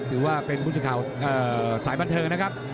ถือว่าเป็นผู้สื่อข่าวสายบันเทิงนะครับ